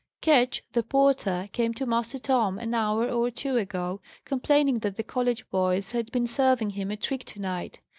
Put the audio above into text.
"Ketch, the porter, came to Master Tom an hour or two ago, complaining that the college boys had been serving him a trick to night.